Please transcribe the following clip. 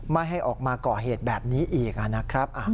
ไม่ให้ออกมาก่อเหตุแบบนี้อีกนะครับ